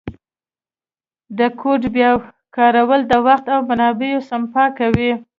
د کوډ بیا کارول د وخت او منابعو سپما کوي.